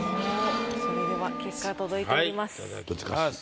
それでは結果届いております。